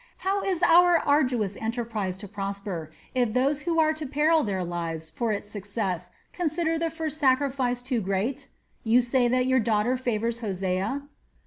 "How is our arduous enterprise to prosper, if those who are to peril their lives for its success consider the first sacrifice too great? You say that your daughter favors Hosea?"